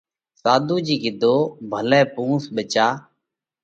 ۔ ساڌُو جِي ڪِيڌو: ڀلئہ پُونس ٻچا۔